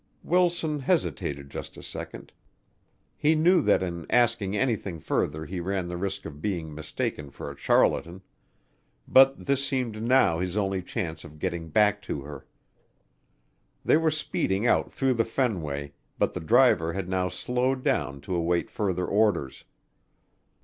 Wilson hesitated just a second; he knew that in asking anything further he ran the risk of being mistaken for a charlatan, but this seemed now his only chance of getting back to her. They were speeding out through the Fenway, but the driver had now slowed down to await further orders.